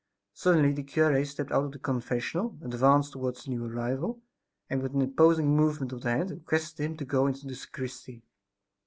Suddenly the cure stepped out of the confessional, advanced towards the new arrival, and, with an imposing movement of the hand, requested him to go into the sacristy.